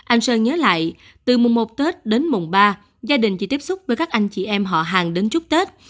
anh sơn nhớ lại từ mùng một tết đến mùng ba gia đình chỉ tiếp xúc với các anh chị em họ hàng đến chúc tết